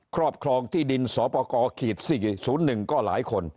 ครอบครองที่ดินสป๔๐๑ก็หลายคน